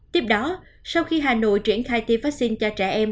tiếp đó sau khi hà nội triển khai tiêm vaccine cho trẻ em